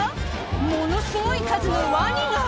ものすごい数のワニが！